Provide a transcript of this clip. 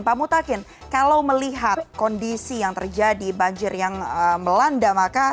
pak mutakin kalau melihat kondisi yang terjadi banjir yang melanda